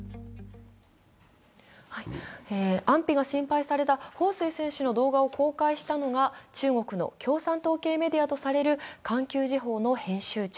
安否が心配された彭帥選手の動画を公開したのが中国の共産党系メディアとされる「環球時報」の編集長。